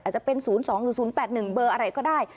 จะเป็น๐๒หรือ๐๘๑เบอร์อะไรก็ได้